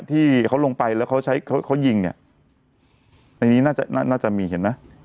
ที่เขาลงไปแล้วเขาใช้เขายิงเนี่ยอันนี้น่าจะน่าจะมีเห็นไหม